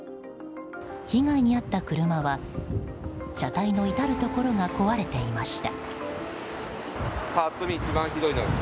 被害に遭った車は車体の至るところが壊れていました。